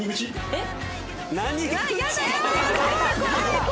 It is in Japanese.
えっ！？